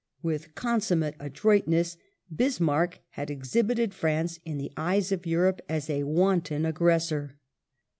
With consummate adroitness Bismarck had exhibited France in the eyes of Europe as a wanton aggressor.